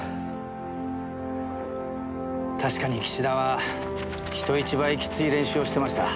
確かに岸田は人一倍きつい練習をしてました。